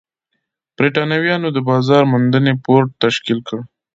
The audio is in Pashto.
برېټانویانو د بازار موندنې بورډ تشکیل کړ.